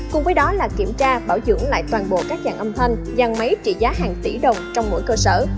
cùng với đó là kiểm tra bảo dưỡng lại toàn bộ các dạng âm thanh nhàn máy trị giá hàng tỷ đồng trong mỗi cơ sở